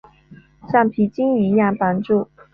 橡皮筋一样绑住